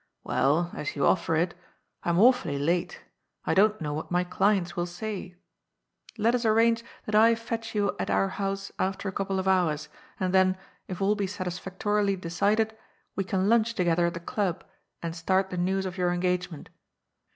" Well, as you offer ii I'm awfully late. I don't know what my clients will say. Let us arrange that I fetch you at our house after a couple of hours, and then, if all be sat isfactorily decided, we can lunch together at the Club and start the news of your engagement.